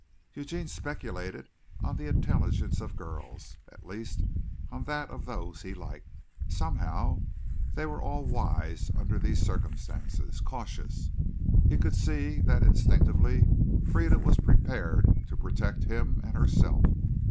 Eugene speculated on the intelligence of girls at least on that of those he liked. Somehow they were all wise under these circumstances cautious. He could see that instinctively Frieda was prepared to protect him and herself.